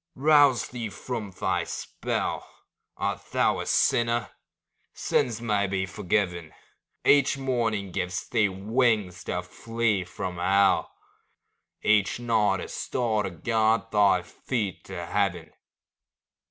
Rouse thee from thy spell ; Art thou a sinner? Sins may be forgiven ; Each morning gives thee wings to flee from hell, Each night a star to guide thy feet to heaven.